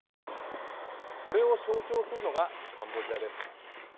それを象徴するのがカンボジアです。